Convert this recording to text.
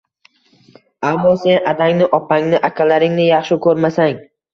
Ammo sen adangni, opangni, akalaringni yaxshi ko‘rmasang...